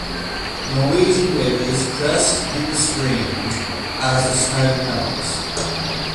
Norwegian rivers crest in the spring as the snow melts.